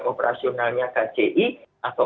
operasionalnya kci atau